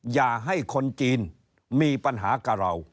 อย่าให้คนจีนมีปัญหากับเรา